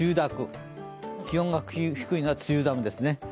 気温が低いのは、梅雨寒ですね。